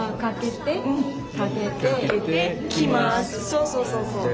そうそうそうそう。